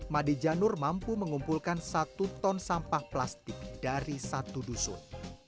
made janur mampu mengumpulkan satu ton sampah plastik dari satu dusun